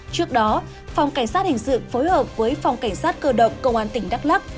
trước đó phòng cảnh sát hình sự phối hợp với phòng cảnh sát cơ động công an tỉnh đắk lắc